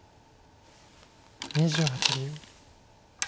２８秒。